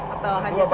atau hanya satu